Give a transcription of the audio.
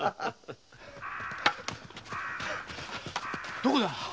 どこだ？